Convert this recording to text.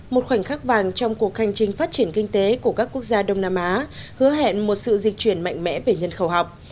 một khoảnh khắc vàng trong cuộc hành trình phát triển kinh tế của các quốc gia đông nam á hứa hẹn một sự dịch chuyển mạnh mẽ về nhân khẩu học